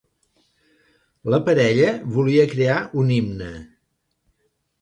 La parella volia crear un himne.